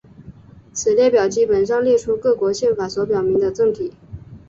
此列表基本上列出各国宪法所表明的政体。